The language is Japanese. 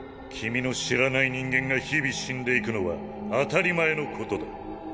君の知らない人間が日々死んでいくのは当たり前のことだ。